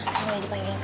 kamila dipanggil kak